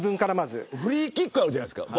フリーキックあるじゃないですか。